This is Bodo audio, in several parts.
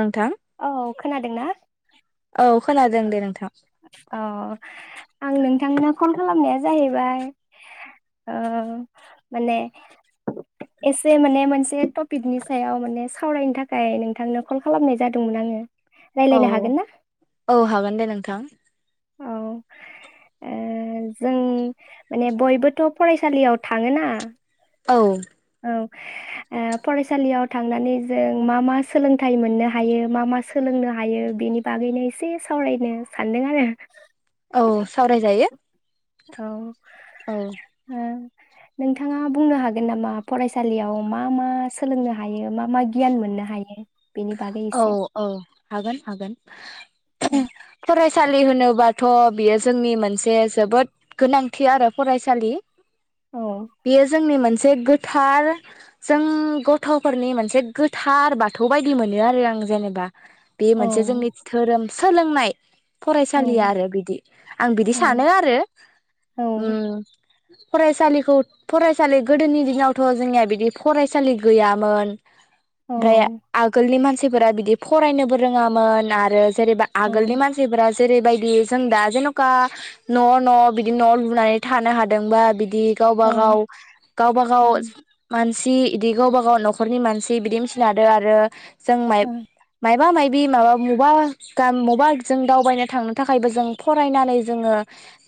नोंथां औ खोनादोंना? औ खोनादों दे नोंथां। अ आं नोंथांनो कल खालामनाया जाहैबाय ओ माने एसे माने मोनसे टपिकनि सायाव माने सावरायनो थाखाय नोंथांनो कल खालामनाय जादोंमोन आङो। औ रायलायनो हागोन ना औ ओ हागोन दे नोंथां। औ ओ जों माने बयबोथ' फरायसालियाव थाङोना औ औ फरायसालियाव थांनानै जों मा मा सोलोंथाइ मोननो हायो मा मा सोलोंनो हायो बेनि बागैनो एसे सावरायनो सानदों आरो औ सावरायजायो औ औ ओ नोंथाङा बुंनो हागोन नामा फरायसालियाव मा मा सोलोंनो हायो मा मा गियान मोननो हायो बेनि बागै औ एसे औ हागोन हागोन औ फरायसालि होनोबाथ बियो जोंनि मोनसे जोबोद गोनांथि आरो फरायसालि औ बेयो जोंनि मोन से गोथार जों गथफोरनि मोनसे गोथार बाथौ ब बायदि मोनो आरो आं जेनेबा बे औ मोनसे जोंनि धोरोम सोलोंनाय फरायसालिया औ आरो बिदि आं बिदि औ सानो आरो औ फरायसालिखौ फरायसालि गोदोनि दिनावथ जोंनिया बिदि फरायसालि गैयामोन औ ओमफ्राय आगोलनि मानसिफोरा बिदि फरायनोबो रोङामोन आरो जेरैबा औ आगोलनि मानसिफोरा जेरैबायदि जों दा जेनका न न‌ बिदि न लुनानै थानो हादोंबा बिदि बेयो‌ गावब औ गाव गावबा गाव सि बिदि गावबा गाव नखरनि मानसि बिदि मिथिना हादों आरो जों औ माइब मायबा माइ बे माबा मबा ग मबा जों दावबायनो थांनो थाखायबो जों फरायनानै जोङो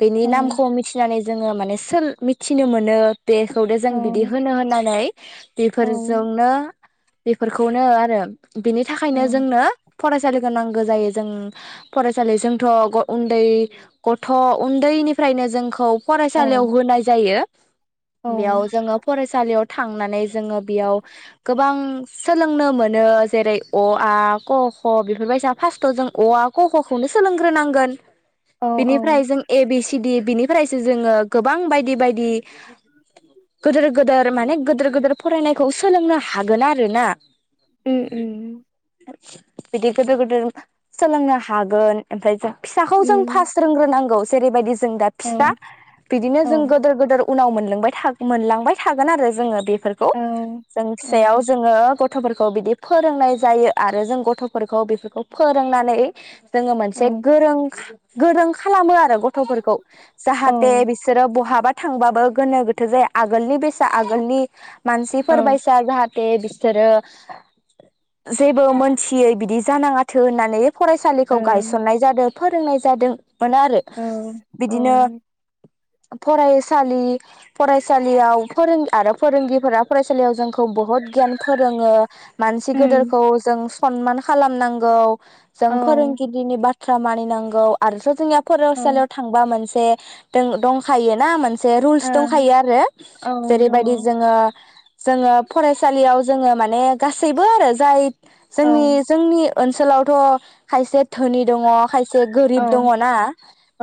बेनि औ नामखौ मिथिनानै जोङो माने सोल मिथिनो मोनो बेखौदे औ जों बिदि होनो होननानै बेफोरजोंनो बेफोरखौनो आथ होनो बिनि थाखायनो जोंनो फरायसालिखौ नांगौ जायो जों फरायसालि जोंथ उन्दै गथ उन्दैनिफ्रायनो जोंखौ औ उम फरायसालियाव होनाय जायो बेयाव उम जोङो फरायसा सालियाव थांनानै जोङो बेयाव गोबां सोलोंनो मोन नो जेरै अ आ क ख बेफोरबायसा फास्तआवजों अ आ ख खौनो सोलोंग्रोनांगोन। औ औ बिनिफ्रायजों ए बिस बिनिफ्रायसो जोङो गोबां बायदि बायदि गोदोर गोदोर माने गोदोर गोदोर फरायनायखौ सोलोंनो हागोन आरोना। [unintelligible] बिदि गोदोर गोदोर सोलोंनो हागोन ओमफाय जों फिसाखौ जों फासत रोंग्रोनांगौ। जेरैबायदि जो जोंदा फिसा बिदिनो औ जों गोदोर गोदोर उनाव मोनलोंबाय मोनलांबायथागोन आरोजोङो बे फोरखौ औ ओ जों औ फिसायाव जोङो गथ गथफोरखौ बिदिब फोरोंनाय जायो आरो जों गथफोरखौ बेफोरखौ फोरोंनानै जोङो मोनसे गोरों खा गोरों खालामो आरो गथ गथफोरखौ जाहाथे उम बिसोरो बहाबा थांबाबो गोनोगोथोजाया आगोलनिबेसा आगोलनि औ मानसिफोरबायसा जाहथ बे बिसोरो जेबोमोनथियै बिदि जानाङाथो होननानै। फरायसालिखौ गायसननाय जादो। फोरोंनाय जादों। मोनाआरो औ बिदिनो फरायसालि फरायसालियाव फोरों आरो फोरोंगिफोरा फरायसालियाव जोंखौ बहुत गियान फोरोङो। मानसि गिदोरखौ जों स हनमान खालामनांगौ। जों फोरोंगिरिनि बाथ थ्रा मानिनांगौ आरोथ जोंनिया फरासालियाव थांबा मोनसे बे दों दंखोना मोन जे रुलस दंखायोआरो ओ औ दङ जेरैबायदि जोङो जोङो फरायसालियाव जोङो माने गासैबोआरो जाय जोंनि औ जोंनि ओनसोलावथ खायसे धोनि दङ खायसे गोरिब औ दङना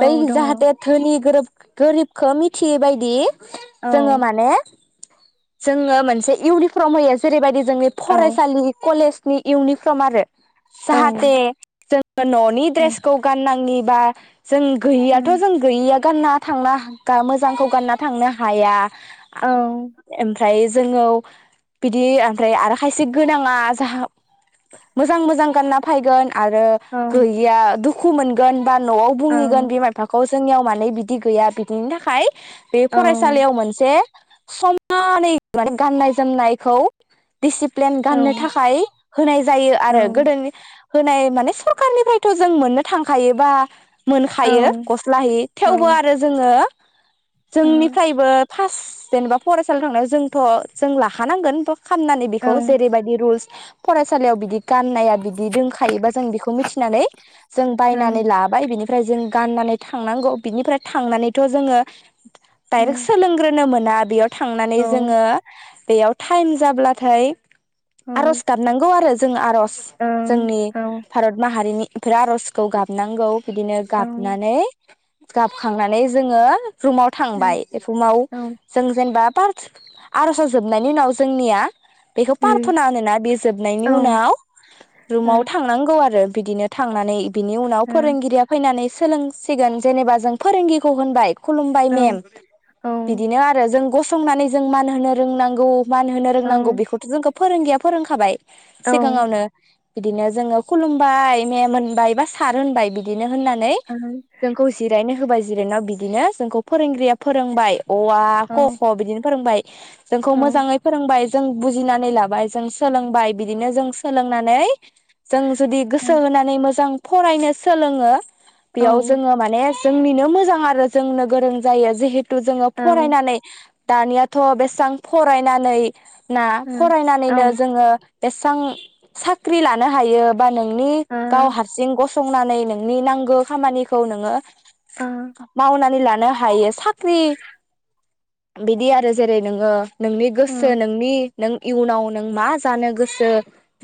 बै दङ औ जाहाथे धोनि गोरोब गोरिबखो मिथियै बायदि औ जोङो माने जोङो मोनसे इउनिफर्म होयो जेरैबायदि जों औ फरायसालि कलेज नि इउनिफर्म आरो। औ जाहाथे जों ननि औ ड्रेसखौ गाननांङि बा जों गैयियाथ' जों गैयिया गानना थांना हा गा मोजांखौ गानना थांनो हाया। आ औ एम फ्राय जोङो बिदि ओमफ्राय आर खायसे गोनाङा जाहा मोजां मोजां गानना फायगोन। आरो औ गैयैया दुख खु मोनगोन। बा नआव औ बुंहैगोन बिमा बिफाखौ। जोंनियाव मानोे बिदि गैया बिदिनि थाखाय बे औ फरायसालियाव मोनसे समानै माने गाननाय जोमनायखौ दिसिप्लिन औ गाननो औ थाखाय होनाय जायो आरो गोदोनि होनाय माने सरखारनिफ्राय थ जों मोननो थांखायोबा मोनखायो गस्ला हि थेवबो आरो जोङो जोंनिफ्रायबो फास जेनेबा फरायसालियाव थांनायाव जोंथ' जों लाखानांगोन [unintelligible] खामनानै। खौ जेरैबायदि रुलस फरायसालियाव बिदि गाननाया बिदि दोंखायोबा जों बेखौ मिथिनानै जों बायनानै लाबाय बिनिफ फ्राय जों गाननानै थांनांगौ बिनिफ्राय थांनानैथ' जोङो डाइरेक सोलोंग्रोनो मोन ना बियो थांनानै जोङो बेयाव टाइम जाब्लाथाय आरज गाबनांगौ आरो। जों आर'ज जोंनि भारत माहारिनि इफोर आर'जखौ गाबनांगौ बिदिनो गाबनानै गाबखांनानै जोङो रुमाव थांबाय रुमाव जों जेनेबा थार आर'जा जोबनायनि उनाव जोंनिया बेखौ पार्थना होनोना बे जोबनायनि उनाव रुमाव थांनांगौ आरो बिदिनो थांनानै बिनि उनाव फोरोंगिरिया फैनानै सोलोंसिगोन जेनेबा जों फोरोंगिरिखौ होनबाय खुलुमबाय मेम बिदिनो आरो जों गसं नानै जों मान होनो रोंनांगौ मान होनो रोंनांगौ बेखौ फोरोंगिरिया फोरोंखाबाय सिगाङावनो बिदिनो जोङो खुलुमबाय मेम होनबाय बा सार होनबाय बिदि नो होननानै जोंखौ जिरनो होबाय। जिरायनाव बिदिनो जोंखौ फोरोंगिरिया फोरोंबाय अ आ क ख बिदिनो फोरोंबाय जोंखौ मोजाङै फोरोंबाय जों बुजिनानै लाबाय जों सोलोंबाय बिदिनो जों सोलोंनानै जों जुदि गोसो होनानै मोजां फरायनो सोलोङो बेयाव जोङो माने जोंनिनो मोजां आरो जोंनो गोरों जायोे जेहे थु जोङो फरायनानै दानियाथ' बेसेसां फरायनानै ना फरायनानैनो जोङो बेसेसां साख्रि लानो हायो । बा नोंनि गाव हारसिं ग संनानै नोंनि नांगौ खामानिखौ नोङो मावनानै ला नो हायो सान ख्रि बिदि आरो जेरै नोङो नोंनि गोसो नों दि नों इयुनाव नों मा जानो गोसो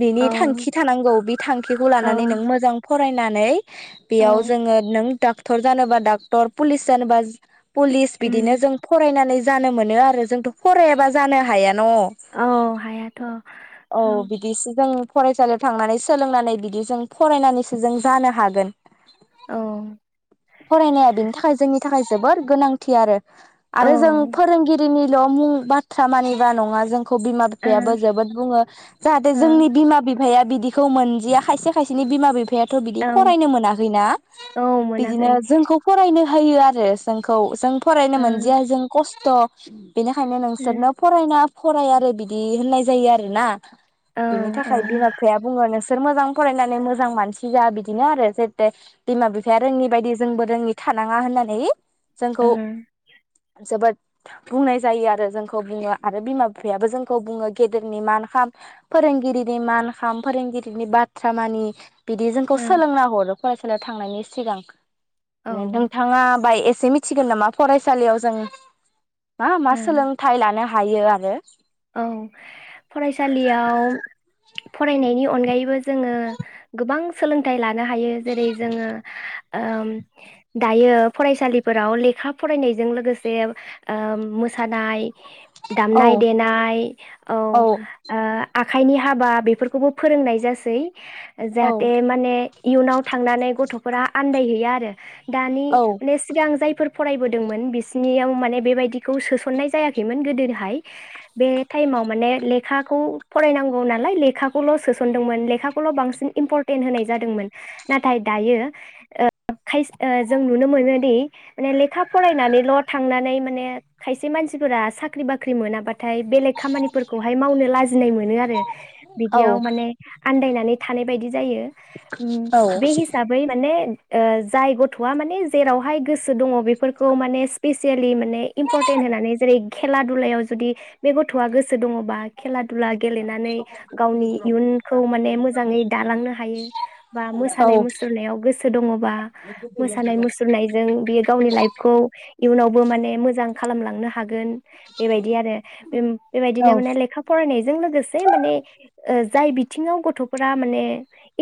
बिनि औ थांखि थानांगौ बे थांखिखौ औ लानानै नों मोजां फरायनानै औ बेयाव जोङो नों दा क्टर जानोबा डाक्टर पुलिस जानोबा पुलिस बिदिनो उम जों फरायनानै जानो मोनो आरो जोंथ फरायाबा जानो हाया न औ हायाथ औ बिदिसो जों फरायसालियाव थांनानै सोलोंनानै बिदि जों फरायनानैसो जों जानो हागोन औ फरायनाया बेनि थाखाय जोंनि थाखाय जोबोर गोनांथि आरो ओ आरो जों फोरोंगिरिनि द मुं बाथ्रा मानिबा नङा जों बिमा औ बिफायाबो जोबोद बुङो जाहाथे जोंनि बिमा बिफाया बिदि बिदिखौ मोनदिया खायसे खायसेनि बिमा बिफा बिफायाथ बिदि फरायनो मोनाखैना औ बिदिनो मोनाखै जोंखौ फरायनो हायो आरो जोंखौ जों फरायनो ओ मोनदिया जों खस थ बेनिखायनो नोंसोरनो फरायना फराय आरो बिदि होननाय जायो आरो ना ओ बिनि औ थाखाय बिमा बिफाया बुङो नोंसो बिसोर मोजां फरायनानै मोजां मानसि जा बिदिनो आरो जाथे बिमा बिफाया रोङि बायदि जोंबो रोङि थानाङा होननानै औ जोंखौ ओ जोबोद बुंनाय जायो आरो जोंखौ बुङो आरो बिमा बिफायाबो जोंखौ बुङो गेदेरनि मान खाम फोरोंगिरिनि मान खाम फोरोंगिरिनि बाथ्रा मानि बिदि जोंखौ सोलोंना हरो फरायसालियाव थांनायनि सिगां ओ नोंथाङा बाय एसे मिथ थिगोन नामा फरायसालियाव जों मा मा औ ओ सोलोंथाइ लानो। हायो आरो। औ फरायसालियाव। फरायनायनि अनगायैबो जोंङो गोबां सोलोंथाइ ला नो हायो जेरै जोंङो। ओम दायो फरायसालिफोराव लेखा फरायनायजों लोगोसे ओ मोसानाय। औ दामनाय देनाय। आइ औ ओ। आखाइनि हाबा बेफोरखौबो फोरोंनाय जासै। औ जाहाथे माने इयुनाव थांनानै गथ फोर आन्दायहैया आरो। दानि औ सिगां जायफोर फरायबोदोंमोन बिसिनियाव माने बेबायदिखौ सोसननाय जायाखैमोन गोदोहाय। बे टाइमाव माने लेखाखौ फरायनांगौ नालाय लेखाखौल सोसनदोंमोन लेखाखौल बांसिन इम्परटेन्ट होनाय जादोंमोन नाथाय दायो ओ खायस ओ जों नुनो मोनोदि माने लेखा फरायनानैल थांनानै माने खायसे मानसिफोरा साख्रि बाख्रि मोनाबा। नाथाय बेलेग खामानिफोरखौहाय मावनो लाजि गिनाय मोनो आरो बिदियाव औ माने आन्दायनानै। थानाय बायदि। जायो बे हिसाबै माने। जाय गथआ माने जेरावहाय गोसो दङ बेफोरखौ माने स्पेसियेलि माने इम्परटेन्ट होनानै जेरै खेला दुलायाव जुदि। बे गथ'आ गोसो दङबा खेला। दुला गेलेनानै गावनि इयुनखौ माने मोजाङै दालांनो हायो बा औ मोसानाय मुसुरनायाव गोसो दङबा मोसानाय मुसुरनायजों बियो गावनि लाइफखौ। इयुनावबो माने मोजां खालामलांनो हागोन। बेबायदि आरो। उम बेबायदिनो औ माने लेखा फरायनायजों लोगोसे माने। जाय बिथिङाव गथफोरा माने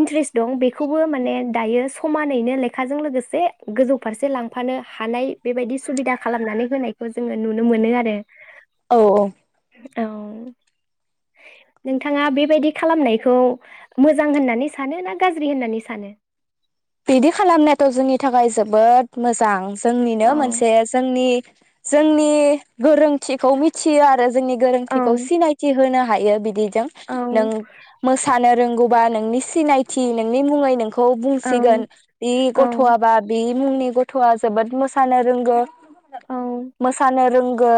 इन्ट्रेस्ट दं बेखौबो माने दायो समानैनो लेखाजों लोगोसे गोजौ फारसे लांफानो हानाय बेबायदि सुबिदा खालामनानै होनायखौ जोंङो नुनो मोनो आरो। औ औ नोंथाङा बेबायदि खालामनायखौ मोजां होननानै सानो ना गाज्रि होननानै सानो। बिदि खालामनायाथ जोंनि थाखाय जोबोद मोजां। जोंनिनो औ मोनसे जोंनि। जोंनि गोरोंथिखौ मिथियो आरो। जोंनि औ गोरोनथिखौ सिनायथि होनो हा हायो बिदि। दों औ नों मोसानो रोंगौ। बा नोंनि सि सिनायथि नोंनि मुङै नोंखौ बुं औ सिगोन बे औ गथ'आबा बे मुंनि गथ'आ जोबोद मोसानो रोंगो औ मोसानो रों गो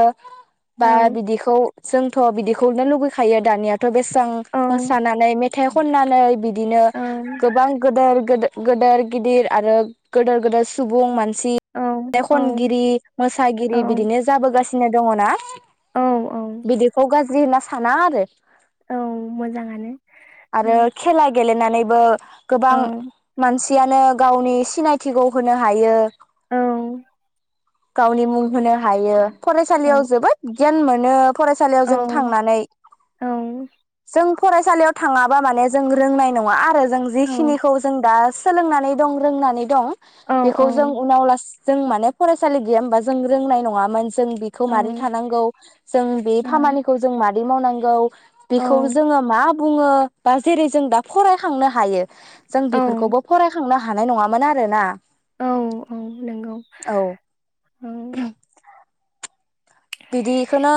औ बा बिदिखौ जोंथ बिदिखौनो लुुबैखायो दानिया बेसां औ मोसानानै मेथाय खननानै बिदि बिदिनो औ गोबां गोेदोर गोदो गोदोर गिदिर आरो गिदोर गेदोर सुबुं मानसि सि थाइ औ खनगिरि मोसागिरि औ बिदिनो जाबोगासिनो। सिनो दङ ना? औ बिदिखौ गाज्रि होन साना आरो। औ मोजाङानो उम। नैबो गोबां सियानो गावनि सिनायथिखौ होनो हायो। औ। गावनि मुं होनो हायो। औ फरायसालियाव जोबोद गियान मोनो फरायसालियाव जों औ थांनानै औ जों फरायसालियाव थाङाबा माने जों रोंनाय नङा आरो। जों औ जिखिनिखौ जों दा सोलोंनानै दं रोंनानै दं। औ बेखौ जों औ उनाव लास जों माने फरायसालि गैया होनबा जों रोंनाय नङामोन। जों बेखौ औ ओ मारै थानांगौ जों बे खामानिखौ जों मार रै मावनांगौ बेखौ औ जोङो मा बुङो बा जेरै जों दा फरायखांनो हायो। जों औ बेफोरखौबो फरायखांनो हानाय नङामोन आरो ना। औ औ नंगौ औ। बिदिखोनो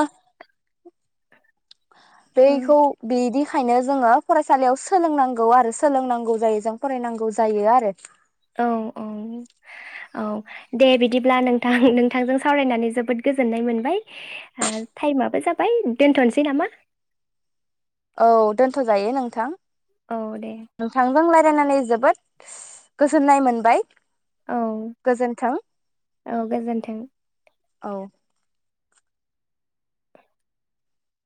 बैखौ ओम, बिदि ओंखायनो जोङो फरायसालियाव सोलोंनांगौ आरो सोलोंनांगौ जायो जों फरायनांगौ जायो आरो। औ औ औ दे बिदिब्ला नोंथां नोंथांजों सावरायनानै जोबोद गोजोननाय मोनबाय ओ टाइमाबो जाबाय दोनथ'नोसै नामा? औ दोनथ'जायो नोंथां। औ दे। यनानै जोबोद गोजोननाय मोनबाय। औ गोजोन्थों औ गोजोन्थों। औ।